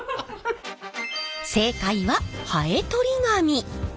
正解はハエとり紙。